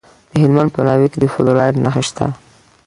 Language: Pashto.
د هلمند په ناوې کې د فلورایټ نښې شته.